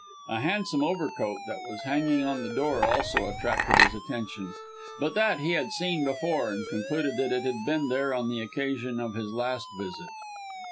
(A handsome overcoat that was hanging on the door also attracted his attention; but that he had seen before, and concluded that it had been there on the occasion of his last visit.)